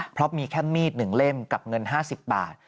เพราะมีแค่มีด๑เล่มกับเงิน๕๐บาท